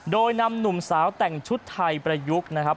โดยนำหนุ่มสาวแต่งชุดไทยประยุกต์นะครับ